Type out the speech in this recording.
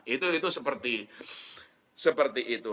itu seperti itu